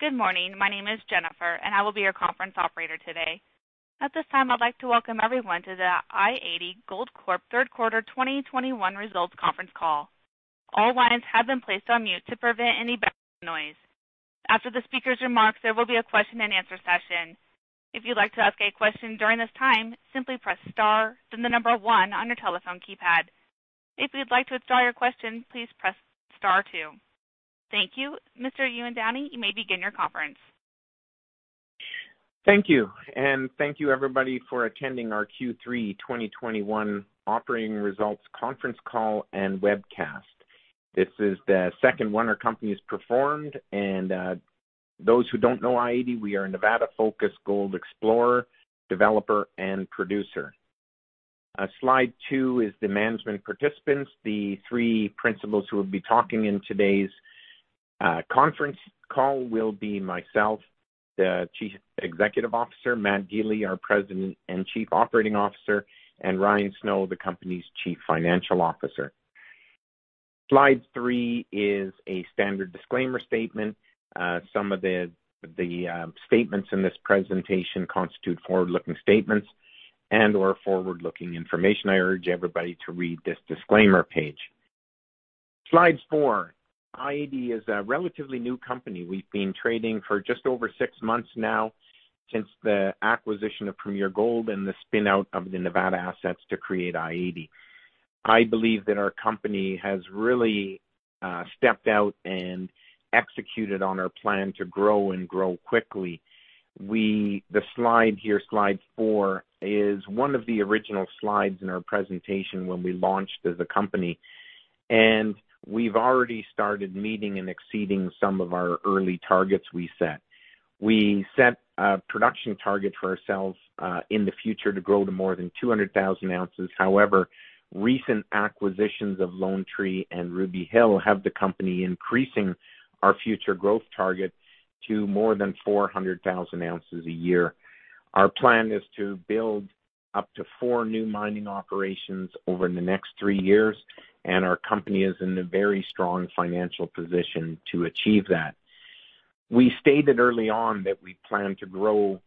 Good morning. My name is Jennifer, and I will be your conference operator today. At this time, I'd like to welcome everyone to the i-80 Gold Corp Third Quarter 2021 Results Conference Call. All lines have been placed on mute to prevent any background noise. After the speaker's remarks, there will be a question-and-answer session. If you'd like to ask a question during this time, simply press star then the number one on your telephone keypad. If you'd like to withdraw your question, please press star two. Thank you. Mr. Ewan Downie, you may begin your conference. Thank you, everybody, for attending our Q3 2021 operating results conference call and webcast. This is the second one our company has performed. Those who don't know i-80, we are a Nevada-focused gold explorer, developer, and producer. Slide two is the management participants. The three principals who will be talking in today's conference call will be myself, the Chief Executive Officer, Matt Gili, our President and Chief Operating Officer, and Ryan Snow, the company's Chief Financial Officer. Slide three is a standard disclaimer statement. Some of the statements in this presentation constitute forward-looking statements and/or forward-looking information. I urge everybody to read this disclaimer page. Slide four. i-80 is a relatively new company. We've been trading for just over six months now since the acquisition of Premier Gold and the spin-out of the Nevada assets to create i-80. I believe that our company has really stepped out and executed on our plan to grow and grow quickly. The slide here, slide four, is one of the original slides in our presentation when we launched as a company. We've already started meeting and exceeding some of our early targets we set. We set a production target for ourselves in the future to grow to more than 200,000 ounces. However, recent acquisitions of Lone Tree and Ruby Hill have the company increasing our future growth target to more than 400,000 ounces a year. Our plan is to build up to four new mining operations over the next three years, and our company is in a very strong financial position to achieve that. We stated early on that we plan to grow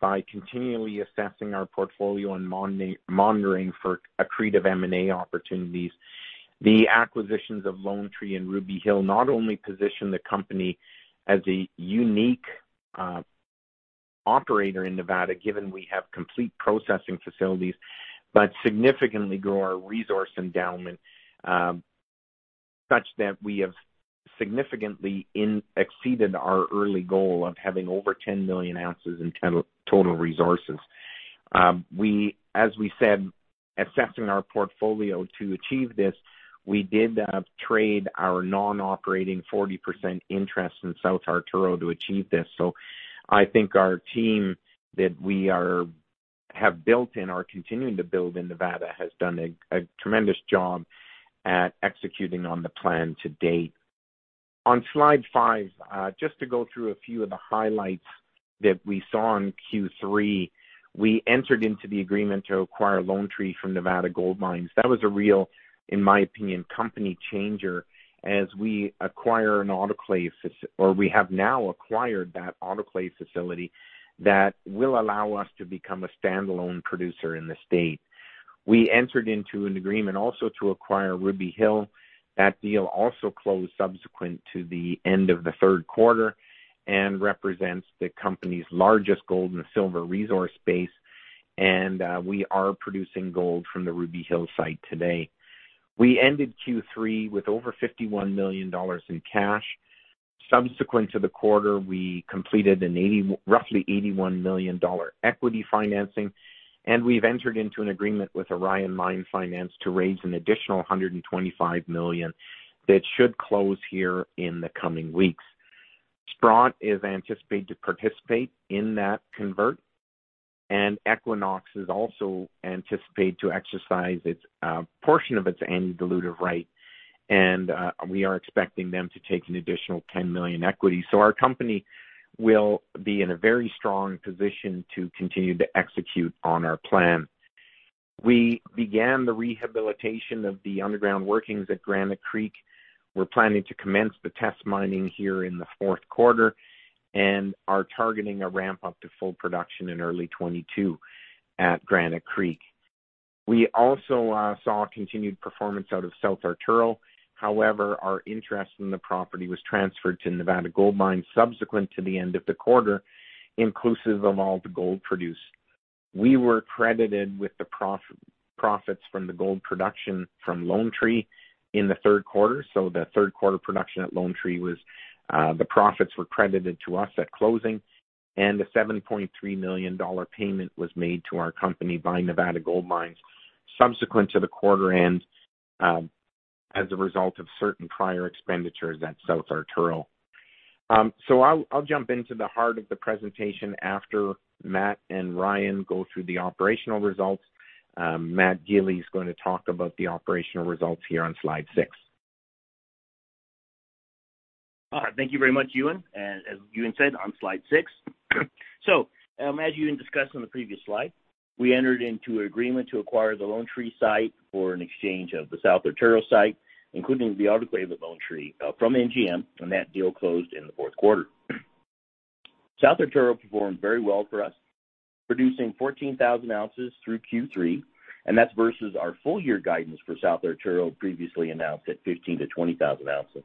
by continually assessing our portfolio and monitoring for accretive M&A opportunities. The acquisitions of Lone Tree and Ruby Hill not only position the company as a unique operator in Nevada, given we have complete processing facilities, but significantly grow our resource endowment, such that we have significantly exceeded our early goal of having over 10 million ounces in total resources. We, as we said, assessing our portfolio to achieve this, we did trade our non-operating 40% interest in South Arturo to achieve this. I think our team that we have built and are continuing to build in Nevada has done a tremendous job at executing on the plan to date. On slide five, just to go through a few of the highlights that we saw in Q3. We entered into the agreement to acquire Lone Tree from Nevada Gold Mines. That was a real, in my opinion, company changer as we have now acquired that autoclave facility that will allow us to become a standalone producer in the state. We entered into an agreement also to acquire Ruby Hill. That deal also closed subsequent to the end of the third quarter and represents the company's largest gold and silver resource base, and we are producing gold from the Ruby Hill site today. We ended Q3 with over $51 million in cash. Subsequent to the quarter, we completed a roughly $81 million equity financing, and we've entered into an agreement with Orion Mine Finance to raise an additional $125 million that should close here in the coming weeks. Sprott is anticipated to participate in that convert, and Equinox is also anticipated to exercise its portion of its anti-dilution right, and we are expecting them to take an additional $10 million equity. Our company will be in a very strong position to continue to execute on our plan. We began the rehabilitation of the underground workings at Granite Creek. We're planning to commence the test mining here in the fourth quarter and are targeting a ramp-up to full production in early 2022 at Granite Creek. We also saw a continued performance out of South Arturo. However, our interest in the property was transferred to Nevada Gold Mines subsequent to the end of the quarter, inclusive of all the gold produced. We were credited with the profits from the gold production from Lone Tree in the third quarter. The third quarter production at Lone Tree was the profits were credited to us at closing, and a $7.3 million payment was made to our company by Nevada Gold Mines subsequent to the quarter end as a result of certain prior expenditures at South Arturo. I'll jump into the heart of the presentation after Matt and Ryan go through the operational results. Matt Gili is gonna talk about the operational results here on slide 6. All right. Thank you very much, Ewan. As Ewan said, on slide six. As you had discussed on the previous slide, we entered into an agreement to acquire the Lone Tree site for an exchange of the South Arturo site, including the autoclave at Lone Tree, from NGM, and that deal closed in the fourth quarter. South Arturo performed very well for us, producing 14,000 ounces through Q3, and that's versus our full year guidance for South Arturo previously announced at 15,000-20,000 ounces.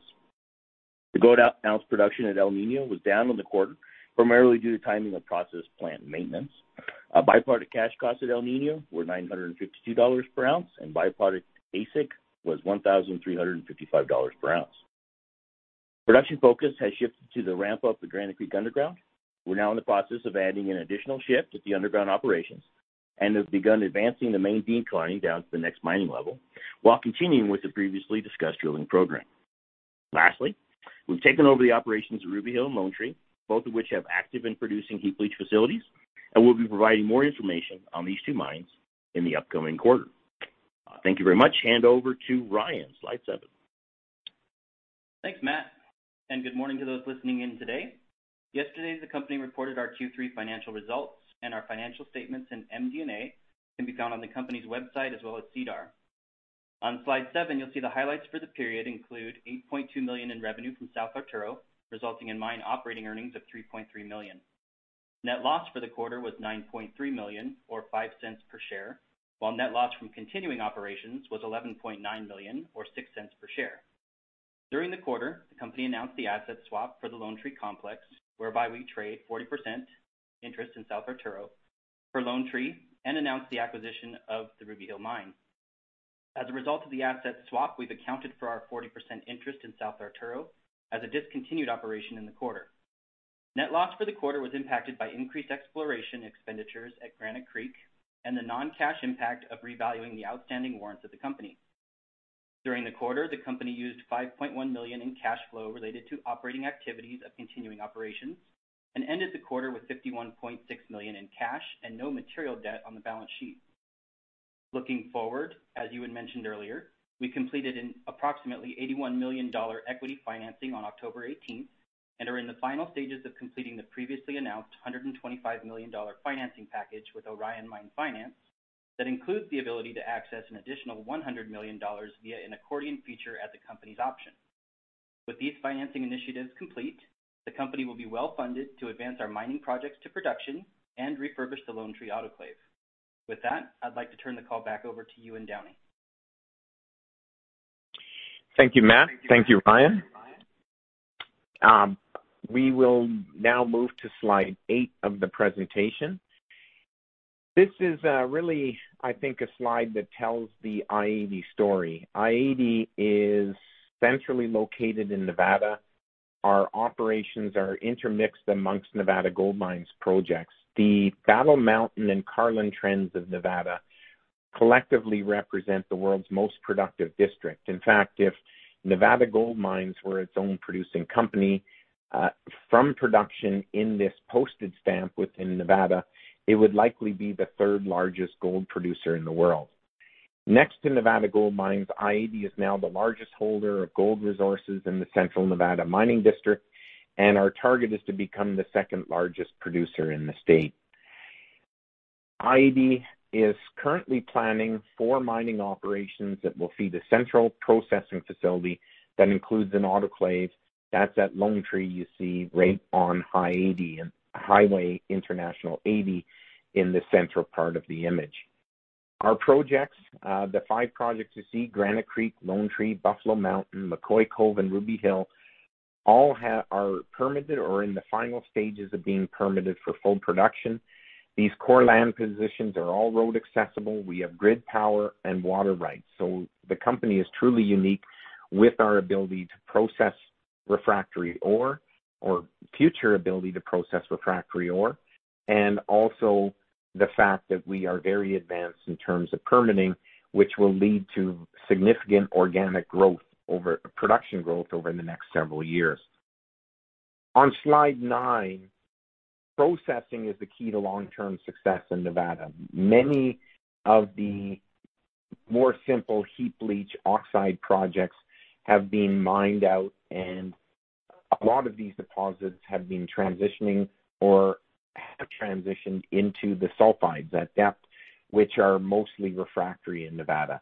The gold ounce production at El Niño was down in the quarter, primarily due to timing of process plant maintenance. Byproduct cash costs at El Niño were $952 per ounce, and byproduct AISC was $1,355 per ounce. Production focus has shifted to the ramp up the Granite Creek underground. We're now in the process of adding an additional shift at the underground operations and have begun advancing the main decline down to the next mining level while continuing with the previously discussed drilling program. Lastly, we've taken over the operations of Ruby Hill and Lone Tree, both of which have active and producing heap leach facilities, and we'll be providing more information on these two mines in the upcoming quarter. Thank you very much. Hand over to Ryan. Slide 7. Thanks, Matt, and good morning to those listening in today. Yesterday, the company reported our Q3 financial results, and our financial statements and MD&A can be found on the company's website as well as SEDAR. On slide seven, you'll see the highlights for the period include $8.2 million in revenue from South Arturo, resulting in mine operating earnings of $3.3 million. Net loss for the quarter was $9.3 million or $0.05 per share, while net loss from continuing operations was $11.9 million or $0.06 per share. During the quarter, the company announced the asset swap for the Lone Tree Complex, whereby we trade 40% interest in South Arturo for Lone Tree and announce the acquisition of the Ruby Hill mine. As a result of the asset swap, we've accounted for our 40% interest in South Arturo as a discontinued operation in the quarter. Net loss for the quarter was impacted by increased exploration expenditures at Granite Creek and the non-cash impact of revaluing the outstanding warrants of the company. During the quarter, the company used $5.1 million in cash flow related to operating activities of continuing operations and ended the quarter with $51.6 million in cash and no material debt on the balance sheet. Looking forward, as Ewan mentioned earlier, we completed an approximately $81 million equity financing on October 18th and are in the final stages of completing the previously announced $125 million financing package with Orion Mine Finance. That includes the ability to access an additional $100 million via an accordion feature at the company's option. With these financing initiatives complete, the company will be well funded to advance our mining projects to production and refurbish the Lone Tree autoclave. With that, I'd like to turn the call back over to you, Ewan Downie. Thank you, Matt. Thank you, Ryan. We will now move to slide eight of the presentation. This is really, I think, a slide that tells the i-80 story. i-80 is centrally located in Nevada. Our operations are intermixed amongst Nevada Gold Mines projects. The Battle Mountain and Carlin Trends of Nevada collectively represent the world's most productive district. In fact, if Nevada Gold Mines were its own producing company, from production in this postage stamp within Nevada, it would likely be the third largest gold producer in the world. Next to Nevada Gold Mines, i-80 is now the largest holder of gold resources in the central Nevada Mining District, and our target is to become the second largest producer in the state. i-80 is currently planning four mining operations that will feed the central processing facility. That includes an autoclave that's at Lone Tree you see right on i-80, and Interstate 80 in the central part of the image. Our projects, the five projects you see Granite Creek, Lone Tree, Buffalo Mountain, McCoy-Cove, and Ruby Hill all are permitted or in the final stages of being permitted for full production. These core land positions are all road accessible. We have grid power and water rights. The company is truly unique with our ability to process refractory ore or future ability to process refractory ore, and also the fact that we are very advanced in terms of permitting, which will lead to significant organic growth over production growth over the next several years. On slide nine, processing is the key to long-term success in Nevada. Many of the more simple heap leach oxide projects have been mined out, and a lot of these deposits have been transitioning or have transitioned into the sulfides at depth, which are mostly refractory in Nevada.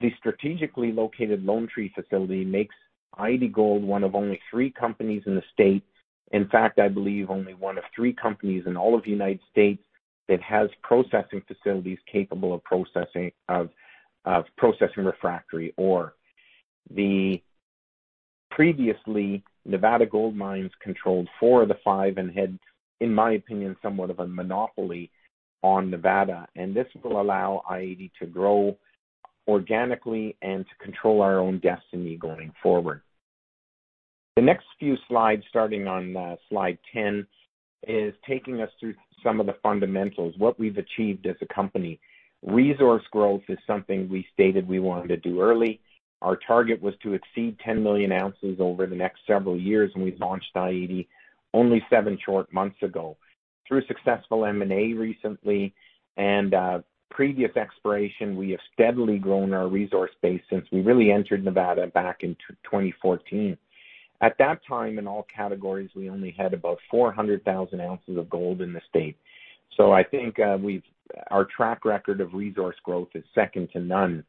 The strategically located Lone Tree facility makes i-80 Gold one of only three companies in the state. In fact, I believe only one of three companies in all of the United States that has processing facilities capable of processing refractory ore. The previously Nevada Gold Mines controlled four of the five and had, in my opinion, somewhat of a monopoly on Nevada. This will allow i-80 to grow organically and to control our own destiny going forward. The next few slides, starting on slide 10, is taking us through some of the fundamentals, what we've achieved as a company. Resource growth is something we stated we wanted to do early. Our target was to exceed 10 million ounces over the next several years, and we've launched i-80 only seven short months ago. Through successful M&A recently and previous exploration, we have steadily grown our resource base since we really entered Nevada back in 2014. At that time, in all categories, we only had about 400,000 ounces of gold in the state. So I think we've our track record of resource growth is second to none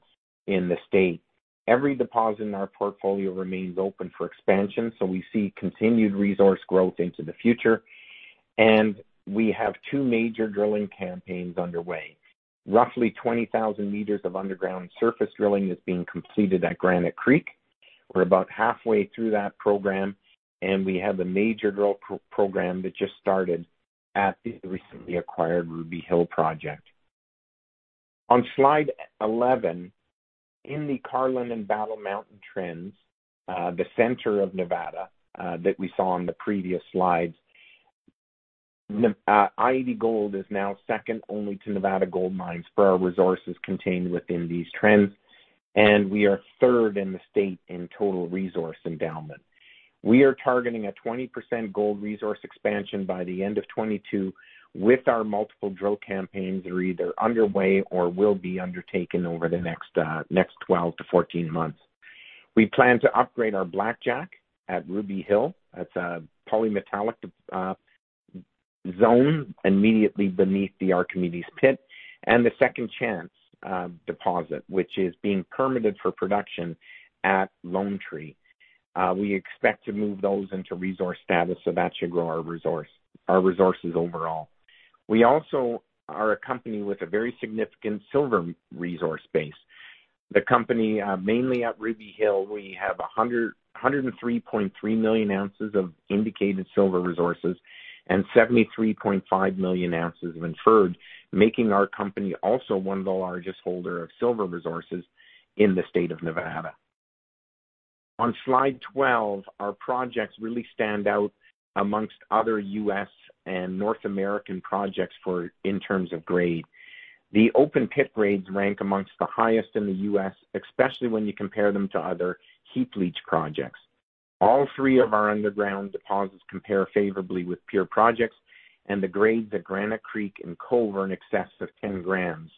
in the state. Every deposit in our portfolio remains open for expansion, so we see continued resource growth into the future. We have two major drilling campaigns underway. Roughly 20,000 meters of underground surface drilling is being completed at Granite Creek. We're about halfway through that program, and we have a major drill program that just started at the recently acquired Ruby Hill project. On slide 11, in the Carlin and Battle Mountain Trends, the center of Nevada, that we saw on the previous slides, i-80 Gold is now second only to Nevada Gold Mines for our resources contained within these trends, and we are third in the state in total resource endowment. We are targeting a 20% gold resource expansion by the end of 2022 with our multiple drill campaigns that are either underway or will be undertaken over the next 12 months-14 months. We plan to upgrade our Blackjack at Ruby Hill. That's a polymetallic zone immediately beneath the Archimedes pit, and the Second Chance deposit, which is being permitted for production at Lone Tree. We expect to move those into resource status, so that should grow our resources overall. We also are a company with a very significant silver resource base. The company, mainly at Ruby Hill, we have 103.3 million ounces of indicated silver resources and 73.5 million ounces of inferred, making our company also one of the largest holders of silver resources in the state of Nevada. On slide 12, our projects really stand out amongst other U.S. and North American projects in terms of grade. The open pit grades rank amongst the highest in the U.S., especially when you compare them to other heap leach projects. All three of our underground deposits compare favorably with pure projects, and the grades at Granite Creek and McCoy-Cove in excess of 10 grams,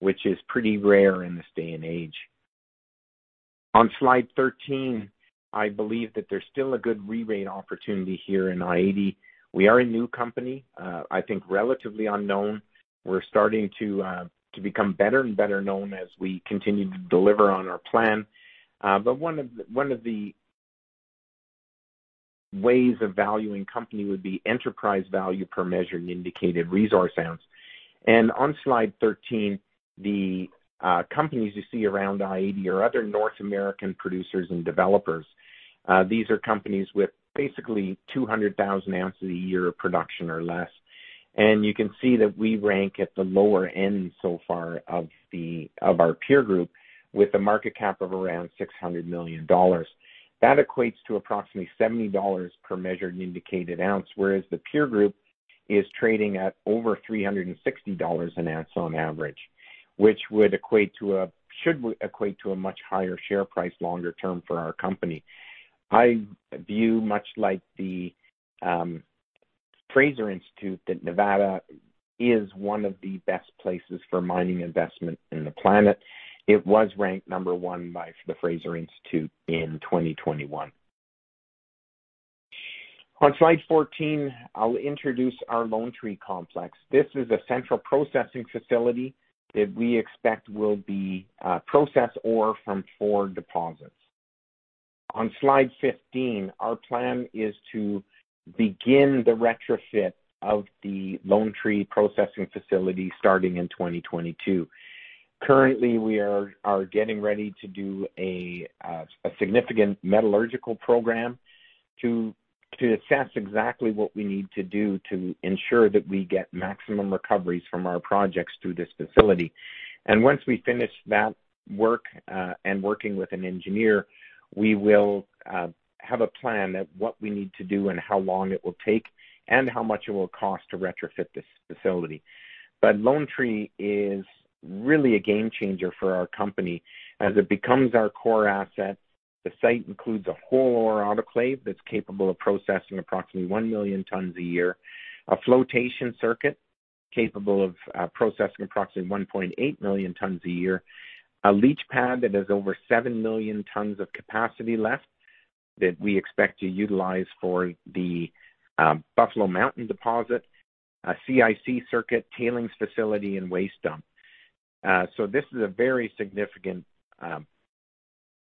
which is pretty rare in this day and age. On slide 13, I believe that there's still a good re-rate opportunity here in i-80. We are a new company, I think relatively unknown. We're starting to become better and better known as we continue to deliver on our plan. One of the ways of valuing company would be enterprise value per measured indicated resource ounce. On slide 13, the companies you see around i-80 are other North American producers and developers. These are companies with basically 200,000 ounces a year of production or less. You can see that we rank at the lower end so far of our peer group, with a market cap of around $600 million. That equates to approximately $70 per measured indicated ounce, whereas the peer group is trading at over $360 an ounce on average, which would equate to a much higher share price longer term for our company. I view, much like the Fraser Institute, that Nevada is one of the best places for mining investment in the planet. It was ranked number one by the Fraser Institute in 2021. On slide 14, I'll introduce our Lone Tree complex. This is a central processing facility that we expect will process ore from four deposits. On slide 15, our plan is to begin the retrofit of the Lone Tree processing facility starting in 2022. Currently, we are getting ready to do a significant metallurgical program to assess exactly what we need to do to ensure that we get maximum recoveries from our projects through this facility. Once we finish that work, and working with an engineer, we will have a plan that what we need to do and how long it will take and how much it will cost to retrofit this facility. Lone Tree is really a game changer for our company as it becomes our core asset. The site includes a whole ore autoclave that's capable of processing approximately 1 million tons a year, a flotation circuit capable of processing approximately 1.8 million tons a year, a leach pad that has over 7 million tons of capacity left that we expect to utilize for the Buffalo Mountain deposit, a CIC circuit tailings facility and waste dump. This is a very significant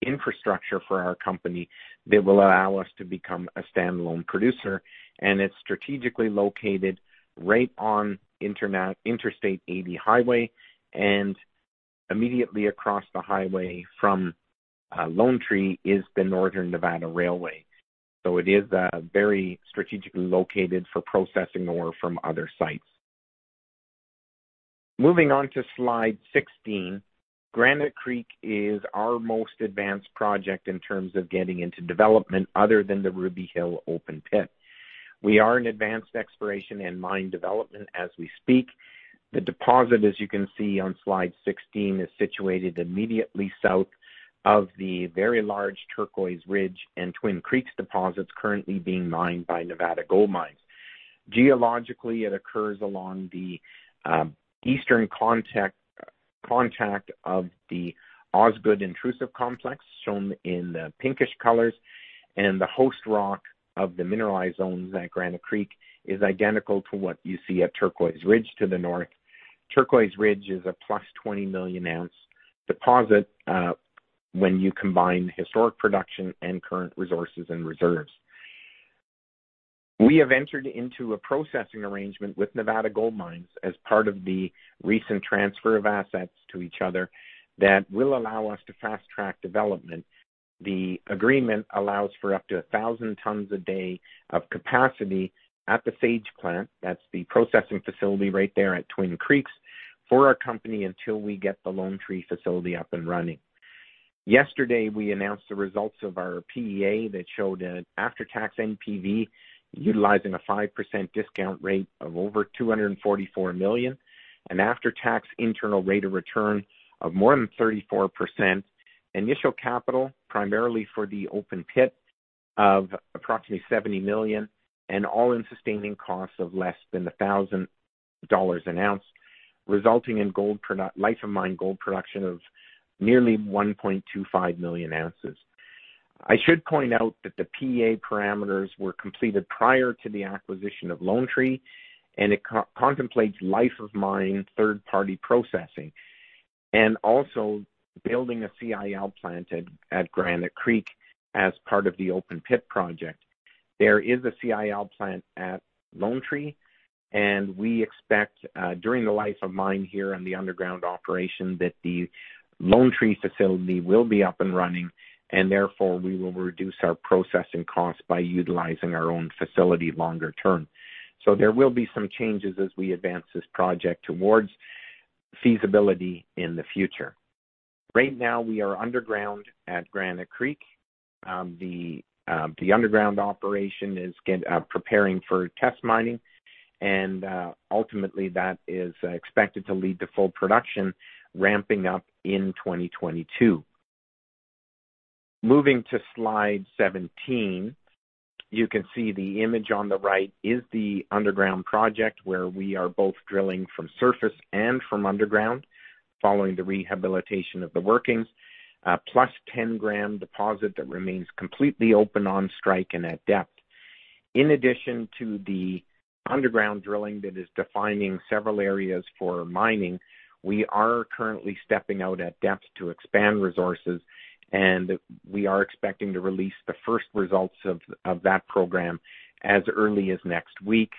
infrastructure for our company that will allow us to become a standalone producer, and it's strategically located right on Interstate 80 highway and immediately across the highway from Lone Tree is the Northern Nevada Railway. It is very strategically located for processing ore from other sites. Moving on to slide 16, Granite Creek is our most advanced project in terms of getting into development other than the Ruby Hill open pit. We are in advanced exploration and mine development as we speak. The deposit, as you can see on slide 16, is situated immediately south of the very large Turquoise Ridge and Twin Creeks deposits currently being mined by Nevada Gold Mines. Geologically, it occurs along the eastern contact of the Osgood Intrusive Complex, shown in the pinkish colors, and the host rock of the mineralized zones at Granite Creek is identical to what you see at Turquoise Ridge to the north. Turquoise Ridge is a +20 million ounce deposit when you combine historic production and current resources and reserves. We have entered into a processing arrangement with Nevada Gold Mines as part of the recent transfer of assets to each other that will allow us to fast-track development. The agreement allows for up to 1,000 tons a day of capacity at the Sage Plant, that's the processing facility right there at Twin Creeks, for our company until we get the Lone Tree facility up and running. Yesterday, we announced the results of our PEA that showed an after-tax NPV utilizing a 5% discount rate of over $244 million. An after-tax internal rate of return of more than 34%. Initial capital, primarily for the open pit of approximately $70 million, and all-in sustaining costs of less than $1,000 an ounce, resulting in life of mine gold production of nearly 1.25 million ounces. I should point out that the PEA parameters were completed prior to the acquisition of Lone Tree, and it contemplates life of mine, third-party processing, and also building a CIL plant at Granite Creek as part of the open pit project. There is a CIL plant at Lone Tree, and we expect during the life of mine here and the underground operation, that the Lone Tree facility will be up and running, and therefore we will reduce our processing costs by utilizing our own facility longer term. There will be some changes as we advance this project towards feasibility in the future. Right now, we are underground at Granite Creek. The underground operation is preparing for test mining and ultimately, that is expected to lead to full production ramping up in 2022. Moving to slide 17. You can see the image on the right is the underground project where we are both drilling from surface and from underground following the rehabilitation of the workings. Plus 10-gram deposit that remains completely open on strike and at depth. In addition to the underground drilling that is defining several areas for mining, we are currently stepping out at depth to expand resources, and we are expecting to release the first results of that program as early as next week.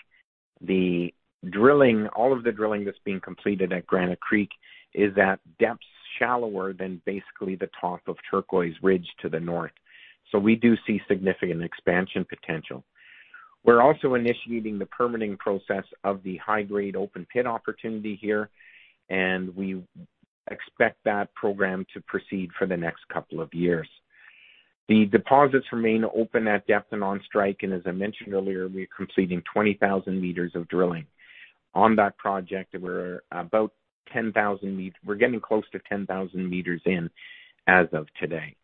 The drilling, all of the drilling that's being completed at Granite Creek is at depths shallower than basically the top of Turquoise Ridge to the north. We do see significant expansion potential. We're also initiating the permitting process of the high-grade open pit opportunity here, and we expect that program to proceed for the next couple of years. The deposits remain open at depth and on strike, and as I mentioned earlier, we're completing 20,000 meters of drilling. On that project, we're about 10,000 meters. We're getting close to 10,000 meters in as of today.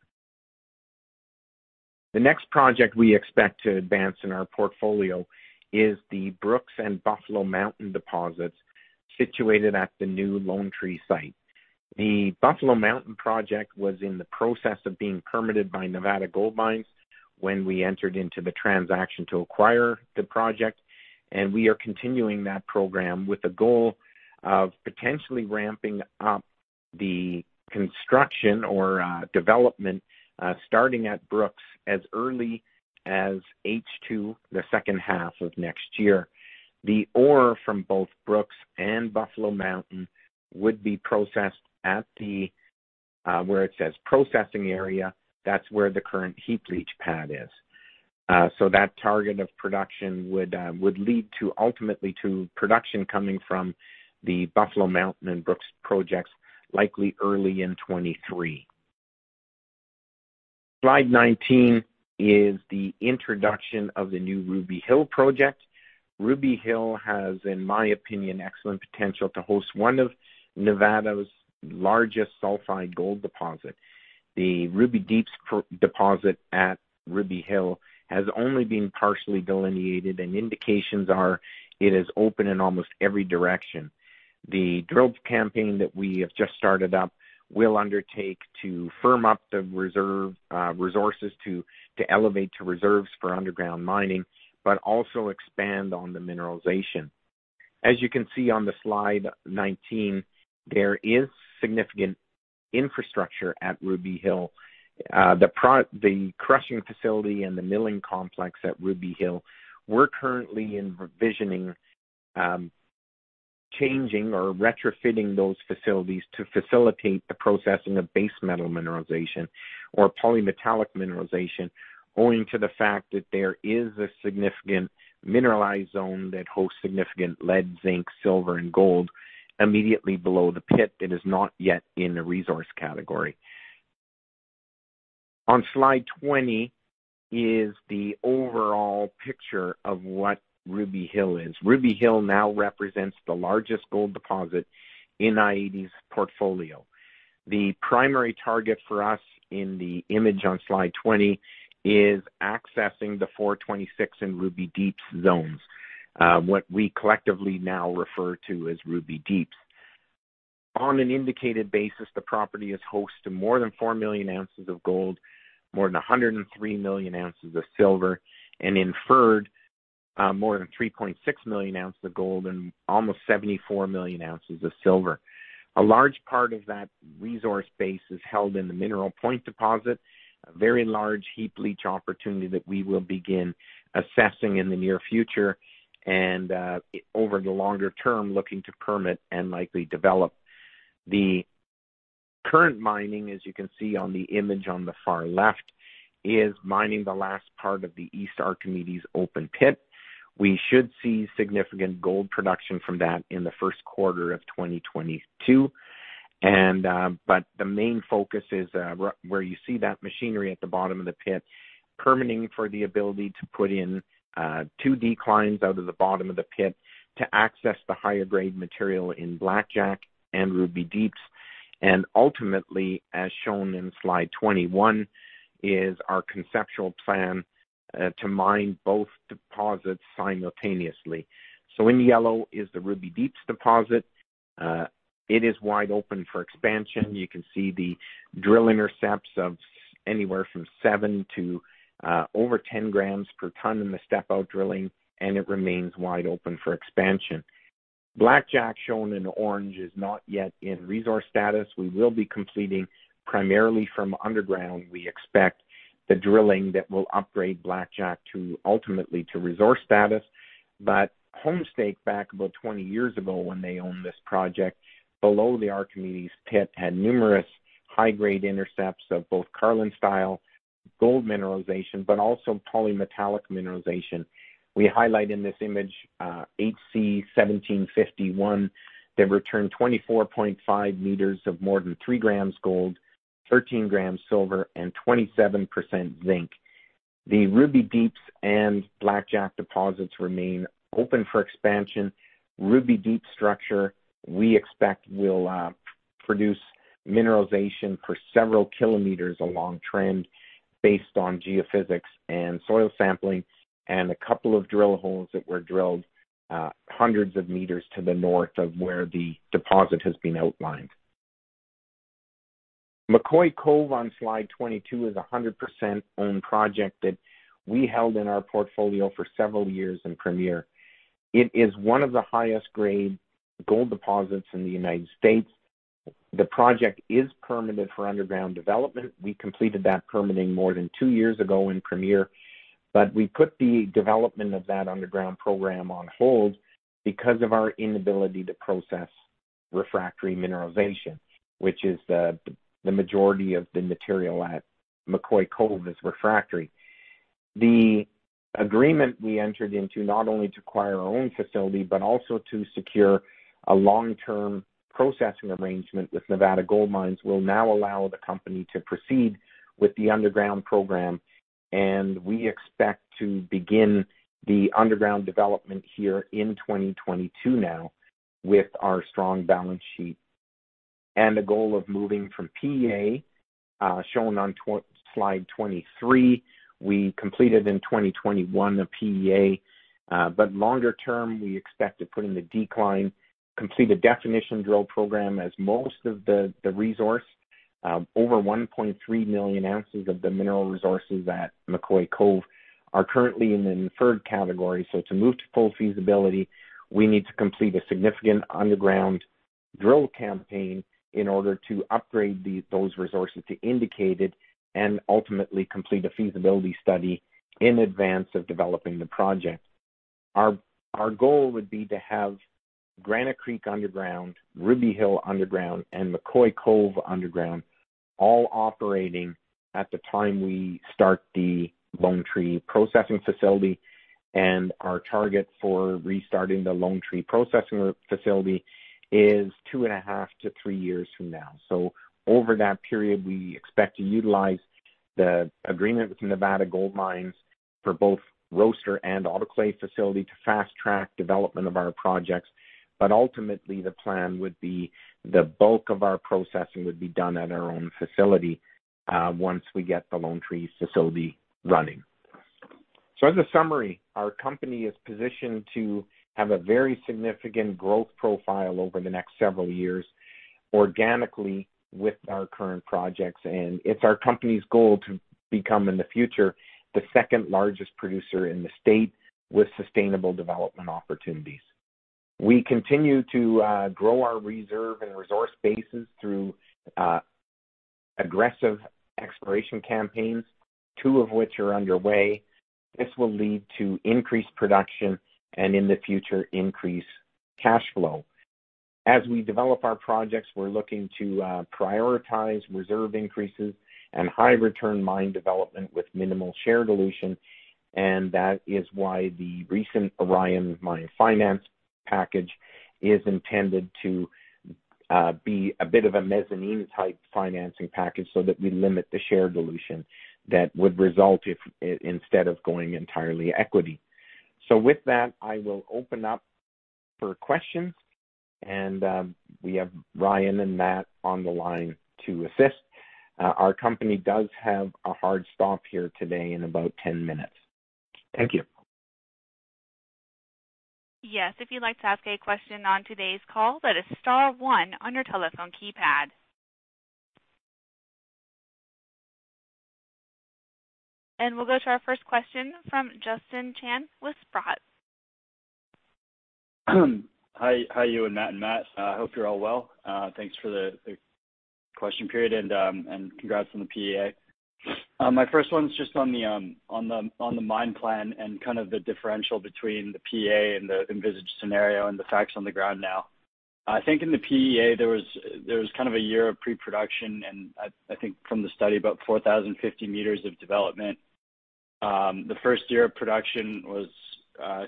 The next project we expect to advance in our portfolio is the Brooks and Buffalo Mountain deposits situated at the new Lone Tree site. The Buffalo Mountain project was in the process of being permitted by Nevada Gold Mines when we entered into the transaction to acquire the project, and we are continuing that program with the goal of potentially ramping up the construction or development starting at Brooks as early as H2, the second half of next year. The ore from both Brooks and Buffalo Mountain would be processed at the where it says processing area. That's where the current heap leach pad is. That target of production would lead to ultimately to production coming from the Buffalo Mountain and Brooks projects likely early in 2023. Slide 19 is the introduction of the new Ruby Hill project. Ruby Hill has, in my opinion, excellent potential to host one of Nevada's largest sulfide gold deposit. The Ruby Deep' CARD deposit at Ruby Hill has only been partially delineated, and indications are it is open in almost every direction. The drill campaign that we have just started up will undertake to firm up the resources to elevate to reserves for underground mining, but also expand on the mineralization. As you can see on Slide 19, there is significant infrastructure at Ruby Hill. The crushing facility and the milling complex at Ruby Hill, we're currently in revisioning, changing or retrofitting those facilities to facilitate the processing of base metal mineralization or polymetallic mineralization, owing to the fact that there is a significant mineralized zone that hosts significant lead, zinc, silver, and gold immediately below the pit that is not yet in the resource category. On slide 20 is the overall picture of what Ruby Hill is. Ruby Hill now represents the largest gold deposit in i-80's portfolio. The primary target for us in the image on slide 20 is accessing the 426 and Ruby Deep zones. What we collectively now refer to as Ruby Deep. On an indicated basis, the property is host to more than 4 million ounces of gold, more than 103 million ounces of silver, and inferred more than 3.6 million ounces of gold and almost 74 million ounces of silver. A large part of that resource base is held in the Mineral Point deposit, a very large heap leach opportunity that we will begin assessing in the near future and over the longer term, looking to permit and likely develop. The current mining, as you can see on the image on the far left, is mining the last part of the East Archimedes open pit. We should see significant gold production from that in the first quarter of 2022. But the main focus is where you see that machinery at the bottom of the pit, permitting for the ability to put in two declines out of the bottom of the pit to access the higher grade material in Blackjack and Ruby Deep. Ultimately, as shown in slide 21, is our conceptual plan to mine both deposits simultaneously. In yellow is the Ruby Deep's deposit. It is wide open for expansion. You can see the drill intercepts of anywhere from seven to over 10 grams per ton in the step out drilling, and it remains wide open for expansion. Blackjack, shown in orange, is not yet in resource status. We will be completing primarily from underground, we expect, the drilling that will upgrade Blackjack ultimately to resource status. Homestake back about 20 years ago when they owned this project below the Archimedes pit had numerous high-grade intercepts of both Carlin-style gold mineralization, but also polymetallic mineralization. We highlight in this image HC1751 that returned 24.5 meters of more than 3 grams gold, 13 grams silver, and 27% zinc. The Ruby Deep and Blackjack deposits remain open for expansion. Ruby Deep's structure we expect will produce mineralization for several kilometers along trend based on geophysics and soil sampling, and a couple of drill holes that were drilled hundreds of meters to the north of where the deposit has been outlined. McCoy-Cove on slide 22 is a 100% owned project that we held in our portfolio for several years in Premier. It is one of the highest grade gold deposits in the United States. The project is permitted for underground development. We completed that permitting more than two years ago in Premier, but we put the development of that underground program on hold because of our inability to process refractory mineralization, which is the majority of the material at McCoy-Cove, is refractory. The agreement we entered into not only to acquire our own facility, but also to secure a long-term processing arrangement with Nevada Gold Mines, will now allow the company to proceed with the underground program, and we expect to begin the underground development here in 2022 now with our strong balance sheet. The goal of moving from PEA, shown on slide 23, we completed in 2021 the PEA. Longer term, we expect to put in the decline, complete a definition drill program as most of the resource, over 1.3 million ounces of the mineral resources at McCoy-Cove are currently in the inferred category. To move to full feasibility, we need to complete a significant underground drill campaign in order to upgrade those resources to indicated and ultimately complete a feasibility study in advance of developing the project. Our goal would be to have Granite Creek underground, Ruby Hill underground, and McCoy-Cove underground, all operating at the time we start the Lone Tree processing facility. Our target for restarting the Lone Tree processing facility is 2.5-3 years from now. Over that period, we expect to utilize the agreement with Nevada Gold Mines for both roaster and autoclave facility to fast-track development of our projects. Ultimately, the plan would be the bulk of our processing would be done at our own facility, once we get the Lone Tree facility running. As a summary, our company is positioned to have a very significant growth profile over the next several years organically with our current projects, and it's our company's goal to become, in the future, the second largest producer in the state with sustainable development opportunities. We continue to grow our reserve and resource bases through aggressive exploration campaigns, two of which are underway. This will lead to increased production and, in the future, increased cash flow. As we develop our projects, we're looking to prioritize reserve increases and high return mine development with minimal share dilution. That is why the recent Orion Mine Finance package is intended to be a bit of a mezzanine-type financing package, so that we limit the share dilution that would result if instead of going entirely equity. With that, I will open up for questions, and we have Ryan and Matt on the line to assist. Our company does have a hard stop here today in about 10 minutes. Thank you. Yes. If you'd like to ask a question on today's call, that is star one on your telephone keypad. We'll go to our first question from Justin Chan with Sprott. Hi. How are you and Matt? I hope you're all well. Thanks for the question period and congrats on the PEA. My first one is just on the mine plan and kind of the differential between the PEA and the envisaged scenario and the facts on the ground now. I think in the PEA there was kind of a year of pre-production and I think from the study, about 4,050 meters of development. The first year of production was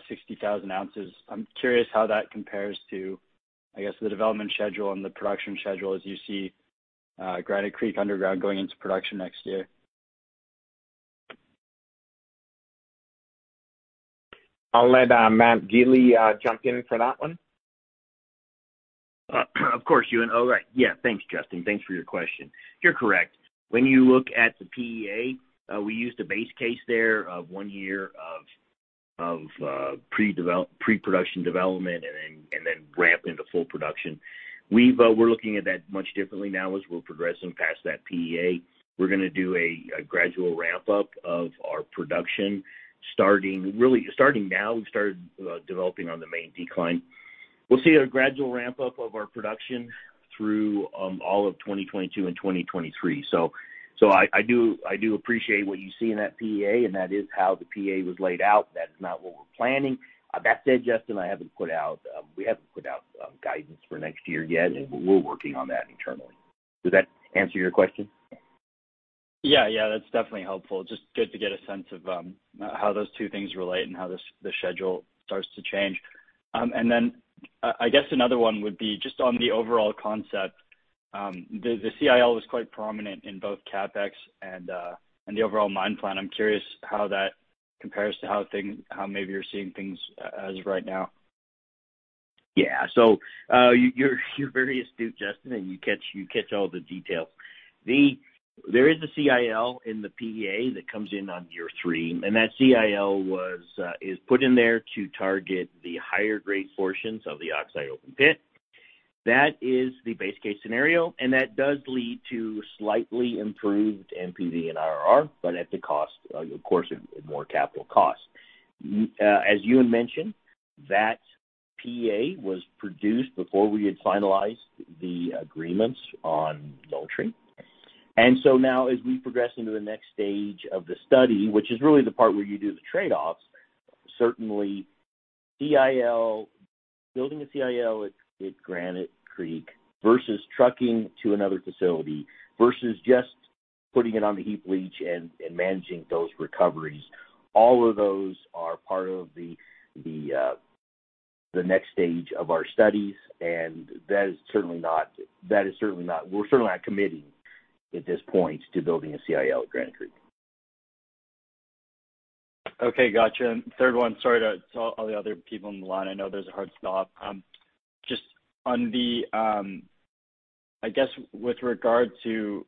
60,000 ounces. I'm curious how that compares to, I guess, the development schedule and the production schedule as you see Granite Creek underground going into production next year. I'll let Matt Gili jump in for that one. Of course, Ewan. All right. Yeah, thanks, Justin. Thanks for your question. You're correct. When you look at the PEA, we used a base case there of one year of pre-development pre-production development and then ramp into full production. We're looking at that much differently now as we're progressing past that PEA. We're gonna do a gradual ramp-up of our production starting, really starting now. We've started developing on the main decline. We'll see a gradual ramp-up of our production through all of 2022 and 2023. I do appreciate what you see in that PEA, and that is how the PEA was laid out. That is not what we're planning. That said, Justin, we haven't put out guidance for next year yet, but we're working on that internally. Does that answer your question? Yeah. Yeah, that's definitely helpful. Just good to get a sense of how those two things relate and how the schedule starts to change. I guess another one would be just on the overall concept. The CIL was quite prominent in both CapEx and the overall mine plan. I'm curious how that compares to how things, how maybe you're seeing things as of right now. Yeah. You're very astute, Justin, and you catch all the details. There is a CIL in the PEA that comes in on year three, and that CIL is put in there to target the higher grade portions of the oxide open pit. That is the base case scenario, and that does lead to slightly improved NPV and IRR, but at the cost, of course, of more capital costs. As Ewan mentioned, that PEA was produced before we had finalized the agreements on Lone Tree. Now as we progress into the next stage of the study, which is really the part where you do the trade-offs, certainly CIL, building a CIL at Granite Creek versus trucking to another facility, versus just putting it on the heap leach and managing those recoveries, all of those are part of the next stage of our studies, and that is certainly not. We're certainly not committing at this point to building a CIL at Granite Creek. Okay, got you. Third one. Sorry to all the other people on the line, I know there's a hard stop. Just on the, I guess with regard to,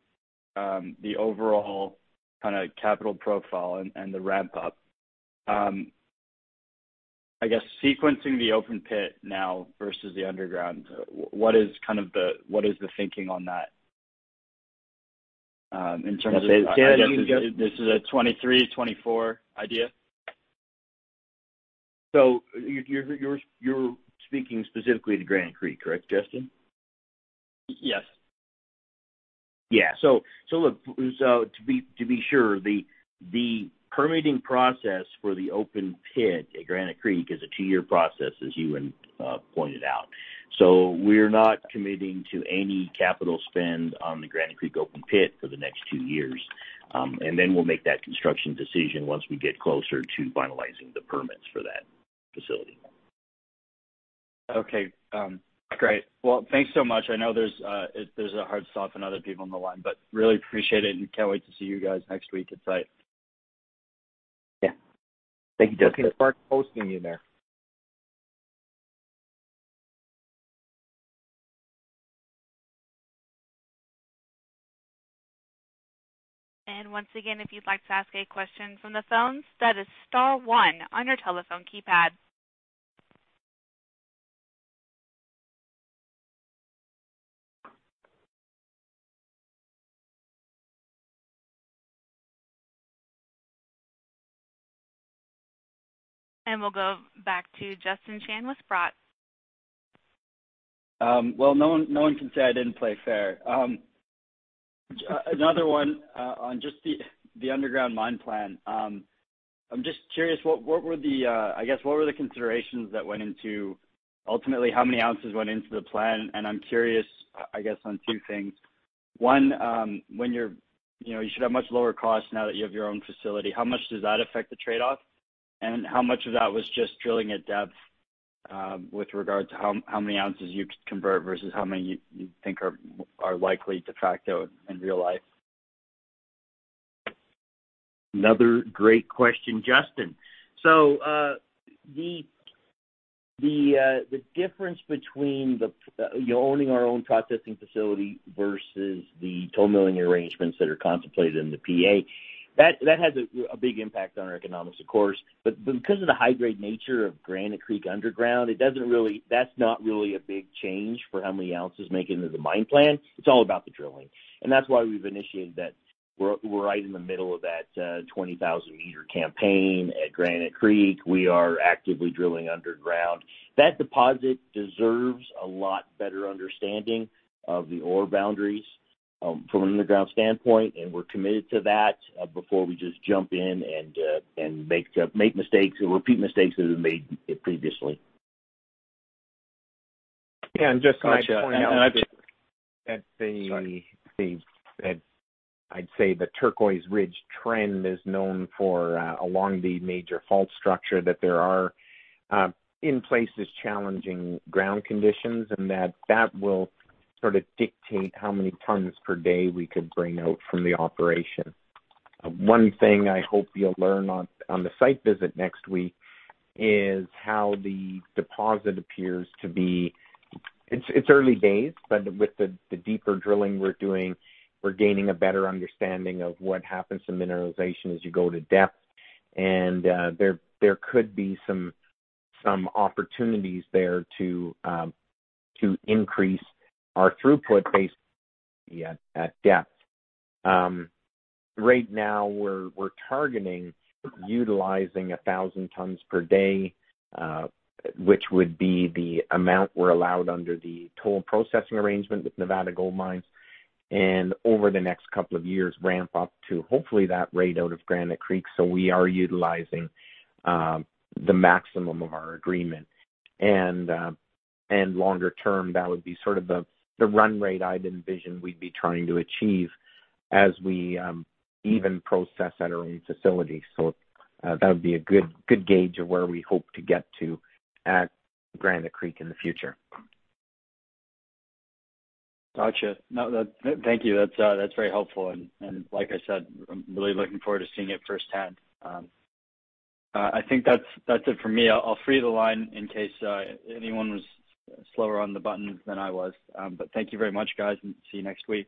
the overall kinda capital profile and the ramp up, I guess sequencing the open pit now versus the underground, what is kind of the thinking on that, in terms- Yeah, I mean. This is a 2023-2024 idea. You're speaking specifically to Granite Creek, correct, Justin? Yes. Yeah. Look, to be sure, the permitting process for the open pit at Granite Creek is a two-year process, as Ewan pointed out. We're not committing to any capital spend on the Granite Creek open pit for the next two years. We'll make that construction decision once we get closer to finalizing the permits for that facility. Okay. Great. Well, thanks so much. I know there's a hard stop and other people on the line, but I really appreciate it, and can't wait to see you guys next week at site. Yeah. Thank you, Justin. Okay, start posting you there. Once again, if you'd like to ask a question from the phone, that is star one on your telephone keypad. We'll go back to Justin Chan with Sprott. Well, no one can say I didn't play fair. Another one on just the underground mine plan. I'm just curious, what were the, I guess, considerations that went into ultimately how many ounces went into the plan? I'm curious, I guess, on two things. One, when you're, you know, you should have much lower costs now that you have your own facility, how much does that affect the trade-off? How much of that was just drilling at depth with regard to how many ounces you could convert versus how many you think are likely to factor in real life? Another great question, Justin. The difference between the, you know, owning our own processing facility versus the toll milling arrangements that are contemplated in the PEA, that has a big impact on our economics, of course. Because of the high-grade nature of Granite Creek underground, it doesn't really. That's not really a big change for how many ounces make it into the mine plan. It's all about the drilling. That's why we've initiated that. We're right in the middle of that 20,000-meter campaign at Granite Creek. We are actively drilling underground. That deposit deserves a lot better understanding of the ore boundaries from an underground standpoint, and we're committed to that before we just jump in and make mistakes or repeat mistakes that we've made previously. Yeah. Just might point out that the- Sorry. I'd say the Turquoise Ridge trend is known for along the major fault structure that there are in places challenging ground conditions, and that will sort of dictate how many tons per day we could bring out from the operation. One thing I hope you'll learn on the site visit next week is how the deposit appears to be. It's early days, but with the deeper drilling we're doing, we're gaining a better understanding of what happens to mineralization as you go to depth. There could be some opportunities there to increase our throughput based at depth. Right now we're targeting utilizing 1,000 tons per day, which would be the amount we're allowed under the toll processing arrangement with Nevada Gold Mines. Over the next couple of years, ramp up to hopefully that rate out of Granite Creek. We are utilizing the maximum of our agreement. Longer term, that would be sort of the run rate I'd envision we'd be trying to achieve as we even process at our own facility. That would be a good gauge of where we hope to get to at Granite Creek in the future. Gotcha. Thank you. That's very helpful. Like I said, I'm really looking forward to seeing it firsthand. I think that's it for me. I'll free the line in case anyone was slower on the button than I was. Thank you very much, guys, and see you next week.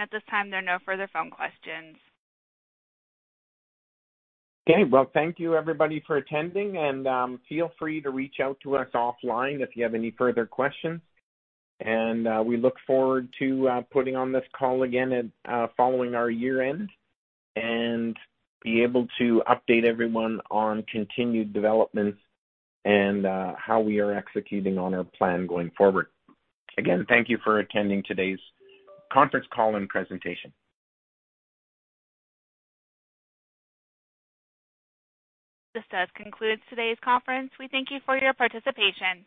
At this time, there are no further phone questions. Okay. Well, thank you, everybody, for attending. Feel free to reach out to us offline if you have any further questions. We look forward to putting on this call again at following our year-end and be able to update everyone on continued developments and how we are executing on our plan going forward. Again, thank you for attending today's conference call and presentation. This does conclude today's conference. We thank you for your participation.